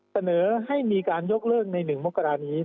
เสนอให้มีการยกเลิกใน๑มกรานี้